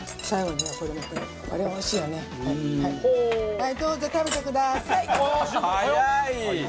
はいどうぞ食べてください。